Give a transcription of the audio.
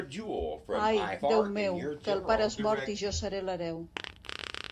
Ai, Déu meu!, que el pare és mort i jo seré l'hereu.